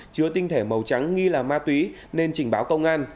chứa tinh thể màu trắng nghi là ma túy nên trình báo công an